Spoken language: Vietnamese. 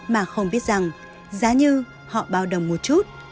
mà không biết rằng giá như họ bao đồng một chút